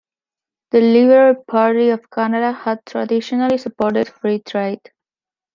The Liberal Party of Canada had traditionally supported free trade.